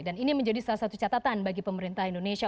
dan ini menjadi salah satu catatan bagi pemerintah indonesia